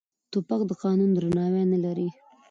توپک د قانون درناوی نه لري.